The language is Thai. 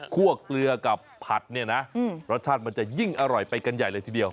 คั่วกเดือกับผัดรสชาติมันจะยิ่งอร่อยไปกันใหญ่เลยทีเดียว